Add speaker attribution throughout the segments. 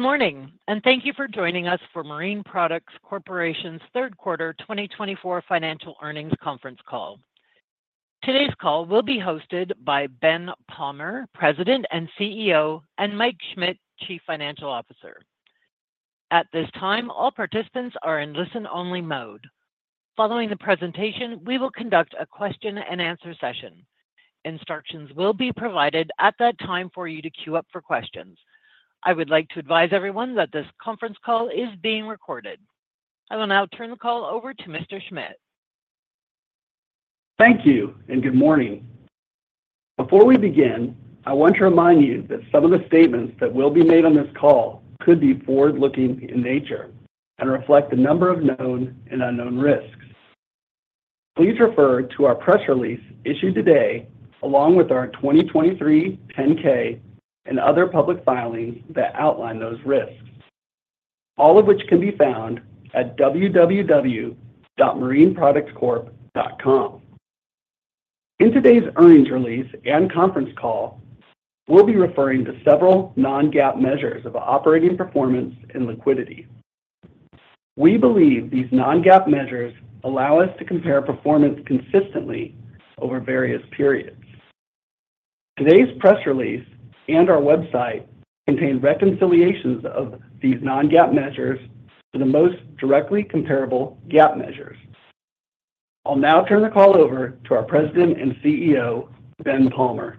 Speaker 1: Good morning, and thank you for joining us for Marine Products Corporation's Q3 2024 Financial Earnings Conference Call. Today's call will be hosted by Ben Palmer, President and CEO, and Mike Schmidt, Chief Financial Officer. At this time, all participants are in listen-only mode. Following the presentation, we will conduct a question-and-answer session. Instructions will be provided at that time for you to queue up for questions. I would like to advise everyone that this conference call is being recorded. I will now turn the call over to Mr. Schmidt.
Speaker 2: Thank you, and good morning. Before we begin, I want to remind you that some of the statements that will be made on this call could be forward-looking in nature and reflect a number of known and unknown risks. Please refer to our press release issued today, along with our 2023 10-K and other public filings that outline those risks, all of which can be found at www.marineproductscorp.com. In today's earnings release and conference call, we'll be referring to several non-GAAP measures of operating performance and liquidity. We believe these non-GAAP measures allow us to compare performance consistently over various periods. Today's press release and our website contain reconciliations of these non-GAAP measures to the most directly comparable GAAP measures. I'll now turn the call over to our President and CEO, Ben Palmer.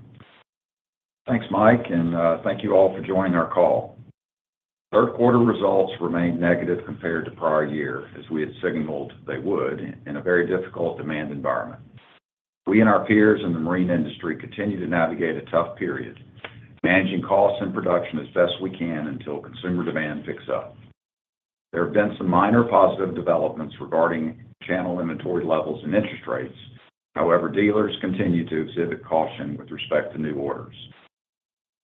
Speaker 3: Thanks, Mike, and thank you all for joining our call. Q3 results remained negative compared to prior year, as we had signaled they would, in a very difficult demand environment. We and our peers in the marine industry continue to navigate a tough period, managing costs and production as best we can until consumer demand picks up. There have been some minor positive developments regarding channel inventory levels and interest rates. However, dealers continue to exhibit caution with respect to new orders.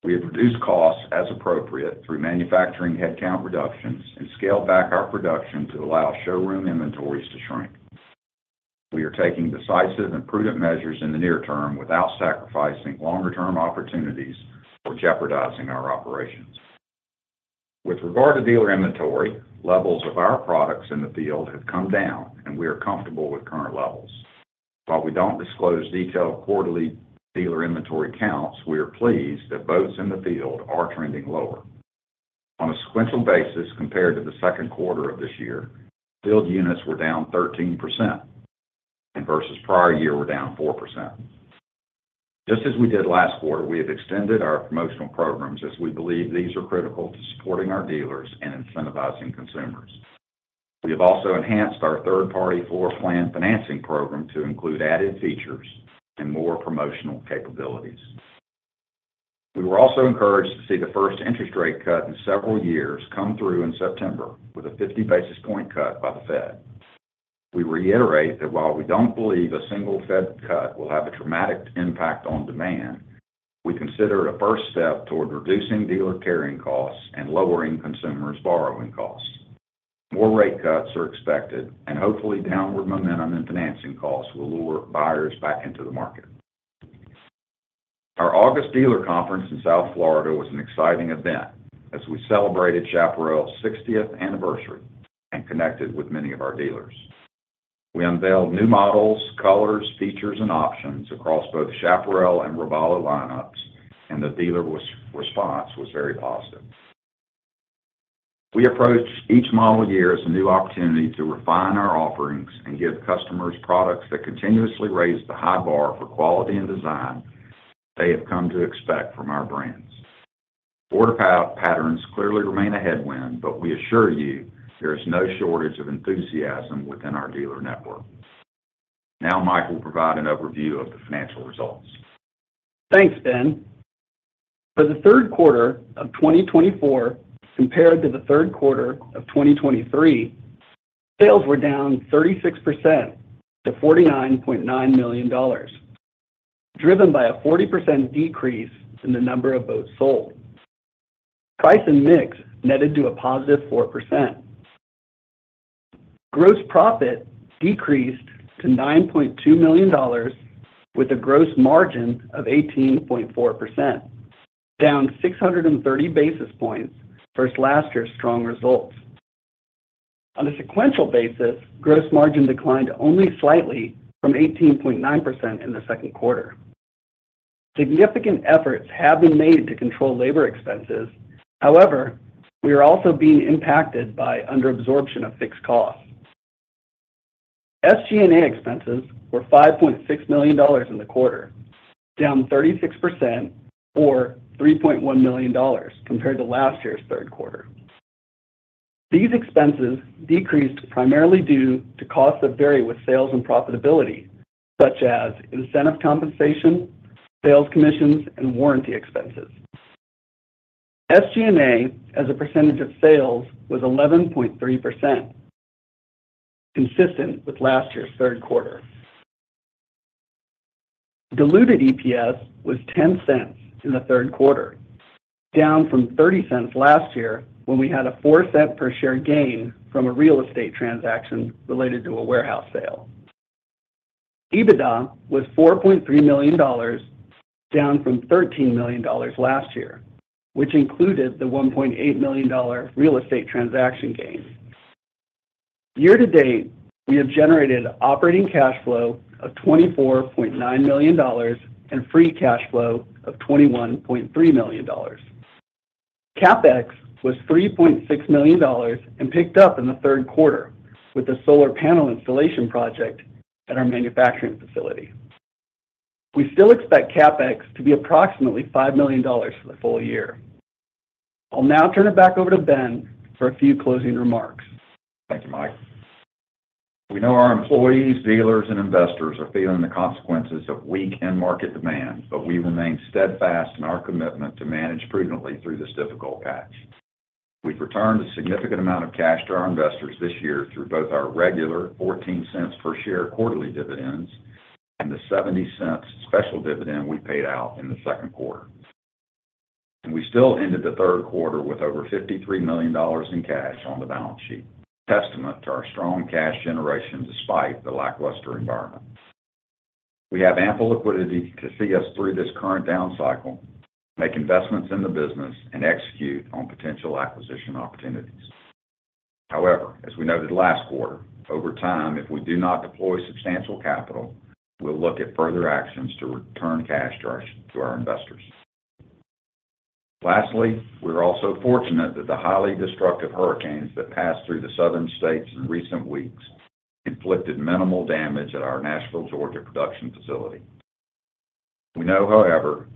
Speaker 3: We have reduced costs as appropriate through manufacturing headcount reductions and scaled back our production to allow showroom inventories to shrink. We are taking decisive and prudent measures in the near term without sacrificing longer-term opportunities or jeopardizing our operations. With regard to dealer inventory, levels of our products in the field have come down, and we are comfortable with current levels. While we don't disclose detailed quarterly dealer inventory counts, we are pleased that boats in the field are trending lower. On a sequential basis, compared to the Q2 of this year, field units were down 13%, and versus prior year, were down 4%. Just as we did last quarter, we have extended our promotional programs as we believe these are critical to supporting our dealers and incentivizing consumers. We have also enhanced our third-party floor plan financing program to include added features and more promotional capabilities. We were also encouraged to see the first interest rate cut in several years come through in September with a 50 basis points cut by the Fed. We reiterate that while we don't believe a single Fed cut will have a dramatic impact on demand, we consider it a first step toward reducing dealer carrying costs and lowering consumers' borrowing costs. More rate cuts are expected, and hopefully, downward momentum and financing costs will lure buyers back into the market. Our August dealer conference in South Florida was an exciting event as we celebrated Chaparral's sixtieth anniversary and connected with many of our dealers. We unveiled new models, colors, features, and options across both Chaparral and Robalo lineups, and the dealer response was very positive. We approach each model year as a new opportunity to refine our offerings and give customers products that continuously raise the high bar for quality and design they have come to expect from our brands. Order patterns clearly remain a headwind, but we assure you there is no shortage of enthusiasm within our dealer network. Now, Mike will provide an overview of the financial results.
Speaker 2: Thanks, Ben. For the Q3 of 2024, compared to the Q3 of 2023, sales were down 36% to $49.9 million, driven by a 40% decrease in the number of boats sold. Price and mix netted to a positive 4%. Gross profit decreased to $9.2 million, with a gross margin of 18.4%, down 630 basis points versus last year's strong results. On a sequential basis, gross margin declined only slightly from 18.9% in the Q2. Significant efforts have been made to control labor expenses. However, we are also being impacted by under-absorption of fixed costs. SG&A expenses were $5.6 million in the quarter, down 36% or $3.1 million compared to last year's Q3. These expenses decreased primarily due to costs that vary with sales and profitability, such as incentive compensation, sales commissions, and warranty expenses. SG&A, as a percentage of sales, was 11.3%, consistent with last year's Q3. Diluted EPS was $0.10 in the Q3, down from $0.30 last year when we had a $0.04 per share gain from a real estate transaction related to a warehouse sale. EBITDA was $4.3 million, down from $13 million last year, which included the $1.8 million real estate transaction gain. Year to date, we have generated operating cash flow of $24.9 million and free cash flow of $21.3 million. CapEx was $3.6 million and picked up in the Q3 with the solar panel installation project at our manufacturing facility. We still expect CapEx to be approximately $5 million for the full year. I'll now turn it back over to Ben for a few closing remarks.
Speaker 3: Thank you, Mike. We know our employees, dealers, and investors are feeling the consequences of weak end market demand, but we remain steadfast in our commitment to manage prudently through this difficult patch. We've returned a significant amount of cash to our investors this year through both our regular $0.14 per share quarterly dividends, and the $0.70 special dividend we paid out in the Q2. And we still ended the Q3 with over $53 million in cash on the balance sheet, testament to our strong cash generation despite the lackluster environment. We have ample liquidity to see us through this current down cycle, make investments in the business, and execute on potential acquisition opportunities. However, as we noted last quarter, over time, if we do not deploy substantial capital, we'll look at further actions to return cash to our investors. Lastly, we're also fortunate that the highly destructive hurricanes that passed through the southern states in recent weeks inflicted minimal damage at our Nashville, Georgia, production facility. We know, however,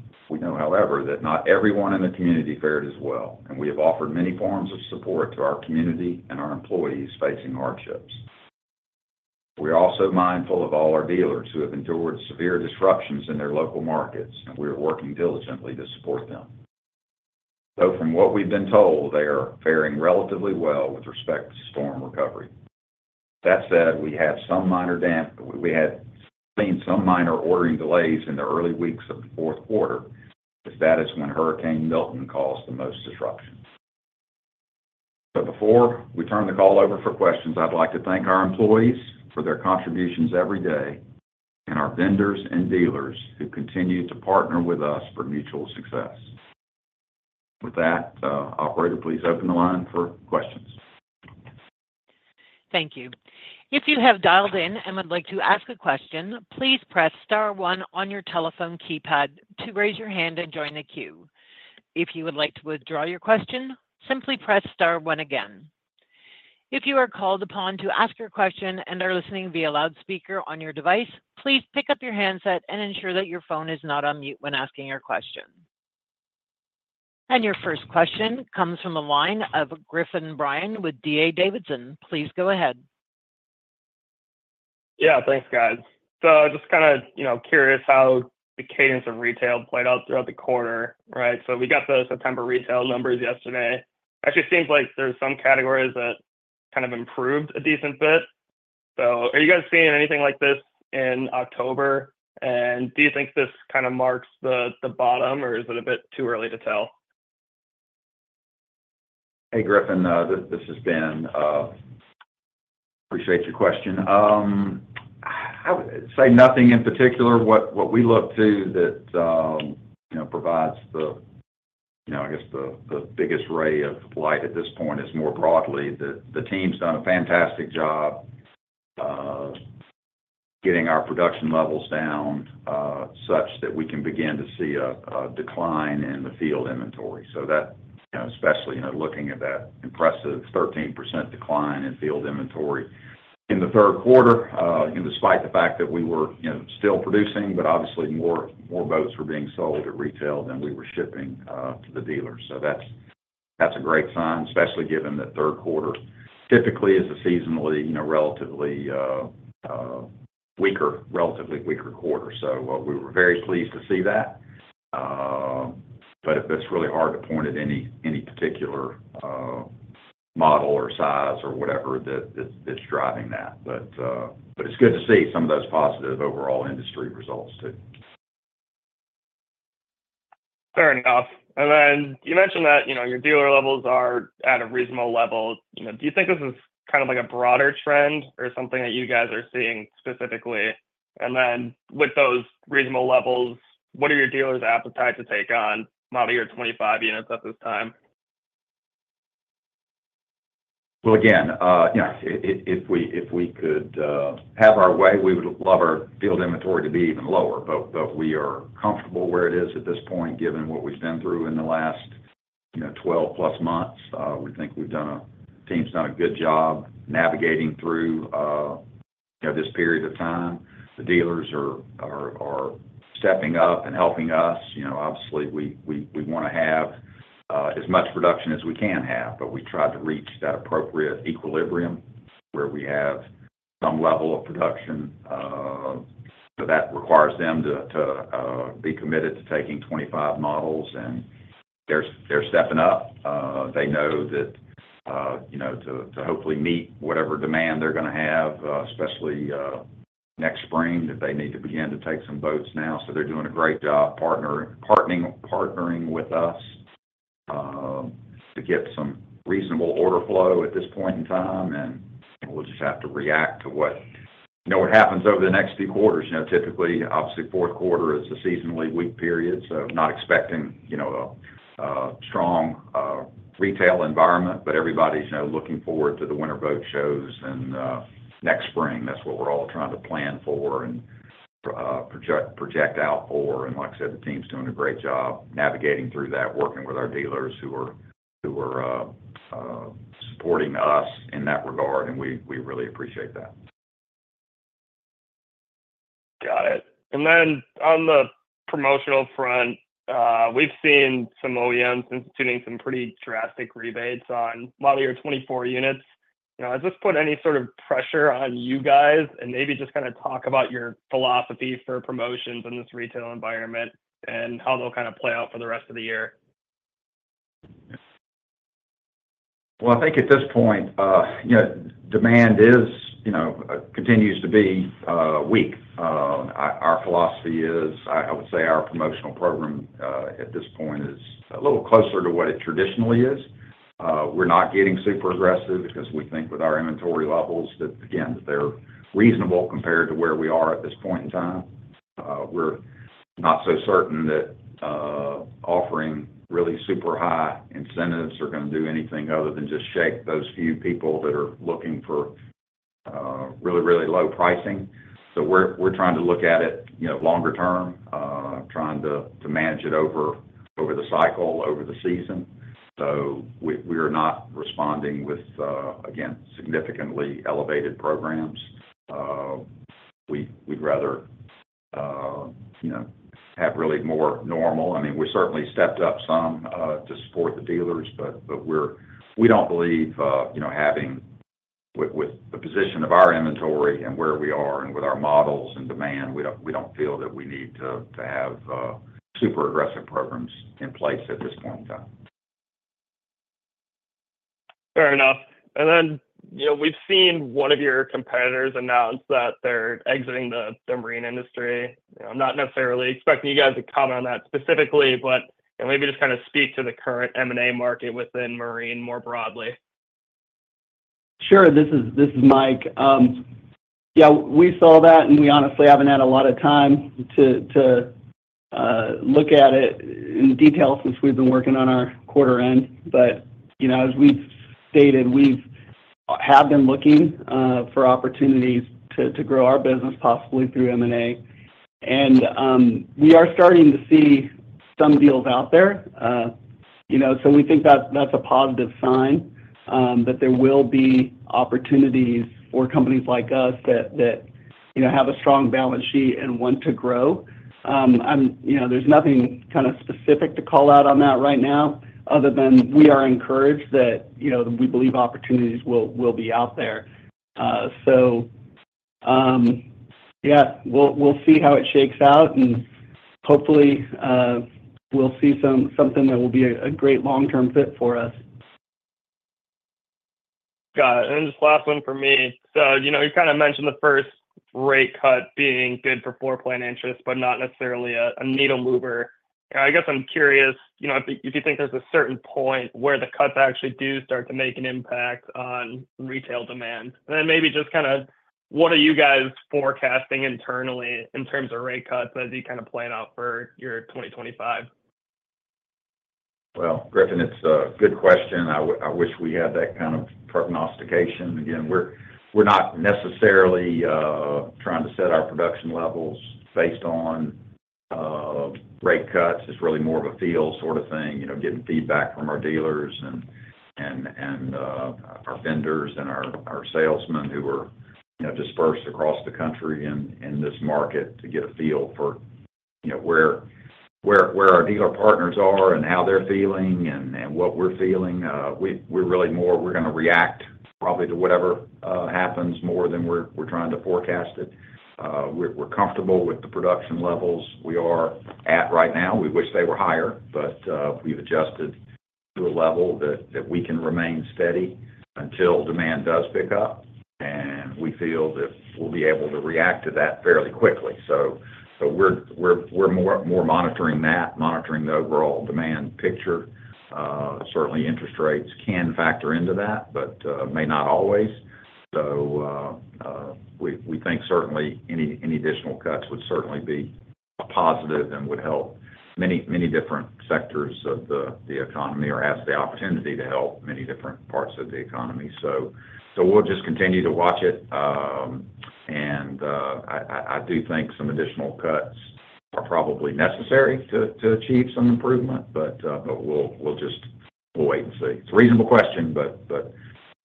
Speaker 3: that not everyone in the community fared as well, and we have offered many forms of support to our community and our employees facing hardships. We are also mindful of all our dealers who have endured severe disruptions in their local markets, and we are working diligently to support them. Though from what we've been told, they are faring relatively well with respect to storm recovery. That said, we had seen some minor ordering delays in the early weeks of the Q4, as that is when Hurricane Milton caused the most disruption. So before we turn the call over for questions, I'd like to thank our employees for their contributions every day, and our vendors and dealers who continue to partner with us for mutual success. With that, operator, please open the line for questions.
Speaker 1: Thank you. If you have dialed in and would like to ask a question, please press star one on your telephone keypad to raise your hand and join the queue. If you would like to withdraw your question, simply press star one again. If you are called upon to ask your question and are listening via loudspeaker on your device, please pick up your handset and ensure that your phone is not on mute when asking your question. And your first question comes from the line of Griffin Bryan with D.A. Davidson. Please go ahead.
Speaker 4: Yeah, thanks, guys. So just kind of, you know, curious how the cadence of retail played out throughout the quarter, right? So we got the September retail numbers yesterday. Actually seems like there's some categories that kind of improved a decent bit. So are you guys seeing anything like this in October? And do you think this kind of marks the bottom, or is it a bit too early to tell?
Speaker 3: Griffin, this is Ben. Appreciate your question. I would say nothing in particular. What we look to that, you know, provides the, you know, I guess, the biggest ray of light at this point is more broadly that the team's done a fantastic job getting our production levels down such that we can begin to see a decline in the field inventory. So that, especially, you know, looking at that impressive 13% decline in field inventory in the Q3, and despite the fact that we were, you know, still producing, but obviously more boats were being sold at retail than we were shipping to the dealers. So that's a great sign, especially given that Q3 typically is a seasonally, you know, relatively weaker quarter. So we were very pleased to see that. But it's really hard to point at any particular model or size or whatever that's driving that. But it's good to see some of those positive overall industry results too.
Speaker 4: Fair enough. And then you mentioned that, you know, your dealer levels are at a reasonable level. You know, do you think this is kind of like a broader trend or something that you guys are seeing specifically? And then with those reasonable levels, what are your dealers' appetite to take on model year 2025 units at this time?
Speaker 3: Again, you know, if we could have our way, we would love our field inventory to be even lower, but we are comfortable where it is at this point, given what we've been through in the last, you know, twelve-plus months. We think the team's done a good job navigating through, you know, this period of time. The dealers are stepping up and helping us. You know, obviously, we wanna have as much production as we can have, but we try to reach that appropriate equilibrium where we have some level of production, so that requires them to be committed to taking 2025 models, and they're stepping up. They know that, you know, to hopefully meet whatever demand they're gonna have, especially next spring, that they need to begin to take some boats now. So they're doing a great job partnering with us to get some reasonable order flow at this point in time, and we'll just have to react to what, you know, happens over the next few quarters. You know, typically, obviously, Q4 is a seasonally weak period, so not expecting, you know, a strong retail environment. But everybody's, you know, looking forward to the winter boat shows and next spring. That's what we're all trying to plan for and project out for. Like I said, the team's doing a great job navigating through that, working with our dealers who are supporting us in that regard, and we really appreciate that.
Speaker 4: Got it. And then, on the promotional front, we've seen some OEMs instituting some pretty drastic rebates on model year 2024 units. You know, has this put any sort of pressure on you guys? And maybe just kind of talk about your philosophy for promotions in this retail environment and how they'll kind of play out for the rest of the year.
Speaker 3: I think at this point, you know, demand is, you know, continues to be weak. Our philosophy is, I would say our promotional program at this point is a little closer to what it traditionally is. We're not getting super aggressive because we think with our inventory levels that, again, they're reasonable compared to where we are at this point in time. We're not so certain that offering really super high incentives are gonna do anything other than just shake those few people that are looking for really, really low pricing. So we're trying to look at it, you know, longer term, trying to manage it over the cycle, over the season. So we are not responding with, again, significantly elevated programs. We'd rather, you know, have really more normal... We certainly stepped up some to support the dealers, but we don't believe, you know, having with, with the position of our inventory and where we are and with our models and demand, we don't feel that we need to have super aggressive programs in place at this point in time.
Speaker 4: Fair enough. And then, you know, we've seen one of your competitors announce that they're exiting the marine industry. You know, I'm not necessarily expecting you guys to comment on that specifically, but, you know, maybe just kind of speak to the current M&A market within marine more broadly.
Speaker 2: Sure. This is Mike. Yeah, we saw that, and we honestly haven't had a lot of time to look at it in detail since we've been working on our quarter-end, but you know, as we've stated, we have been looking for opportunities to grow our business, possibly through M&A. We are starting to see some deals out there. You know, so we think that's a positive sign that there will be opportunities for companies like us that you know, have a strong balance sheet and want to grow. You know, there's nothing kind of specific to call out on that right now, other than we are encouraged that you know, we believe opportunities will be out there. We'll see how it shakes out, and hopefully we'll see something that will be a great long-term fit for us.
Speaker 4: Got it. And then just last one from me. So, you know, you kind of mentioned the first rate cut being good for floor plan interest, but not necessarily a needle mover. I guess I'm curious, you know, if you think there's a certain point where the cuts actually do start to make an impact on retail demand? And then maybe just kind of what are you guys forecasting internally in terms of rate cuts as you kind of plan out for your 2025?
Speaker 3: Griffin, it's a good question. I wish we had that kind of prognostication. Again, we're not necessarily trying to set our production levels based on rate cuts. It's really more of a feel sort of thing, you know, getting feedback from our dealers and our vendors and our salesmen who are, you know, dispersed across the country in this market to get a feel for, you know, where our dealer partners are and how they're feeling and what we're feeling. We're really more gonna react probably to whatever happens more than we're trying to forecast it. We're comfortable with the production levels we are at right now. We wish they were higher, but we've adjusted to a level that we can remain steady until demand does pick up, and we feel that we'll be able to react to that fairly quickly, so we're monitoring that, monitoring the overall demand picture. Certainly, interest rates can factor into that, but may not always, so we think certainly any additional cuts would certainly be a positive and would help many different sectors of the economy, or has the opportunity to help many different parts of the economy, so we'll just continue to watch it, and I do think some additional cuts are probably necessary to achieve some improvement, but we'll just wait and see. It's a reasonable question, but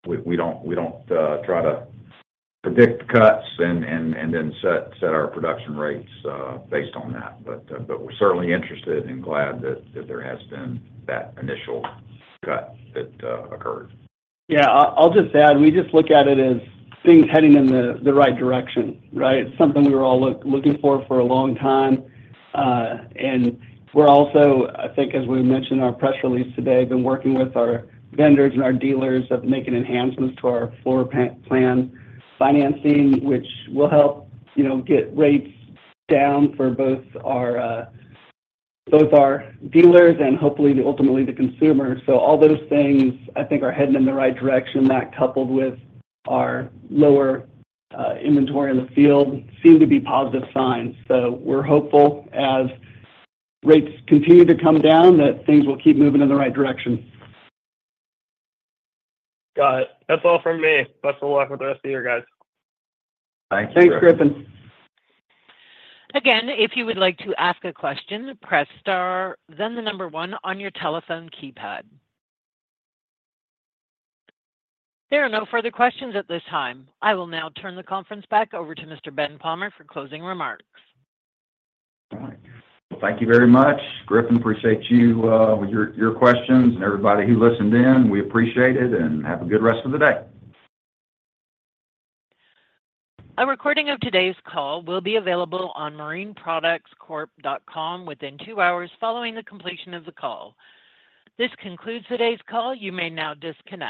Speaker 3: we don't try to predict the cuts and then set our production rates based on that. But we're certainly interested and glad that there has been that initial cut that occurred.
Speaker 2: I'll just add, we just look at it as things heading in the right direction, right? It's something we were all looking for a long time. And we're also, I think, as we've mentioned, our press release today, been working with our vendors and our dealers of making enhancements to our floor plan financing, which will help, you know, get rates down for both our dealers and hopefully, ultimately, the consumer. So all those things, I think, are heading in the right direction. That, coupled with our lower inventory in the field, seem to be positive signs. So we're hopeful, as rates continue to come down, that things will keep moving in the right direction.
Speaker 4: Got it. That's all from me. Best of luck with the rest of your year, guys.
Speaker 3: Thank you.
Speaker 2: Thanks, Griffin.
Speaker 1: Again, if you would like to ask a question, press star, then the number one on your telephone keypad. There are no further questions at this time. I will now turn the conference back over to Mr. Ben Palmer for closing remarks.
Speaker 3: Thank you very much. Griffin, appreciate you, your questions, and everybody who listened in, we appreciate it, and have a good rest of the day.
Speaker 1: A recording of today's call will be available on marineproductscorp.com within two hours following the completion of the call. This concludes today's call. You may now disconnect.